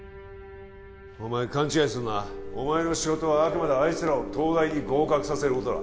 お前勘違いするなお前の仕事はあくまであいつらを東大に合格させることだ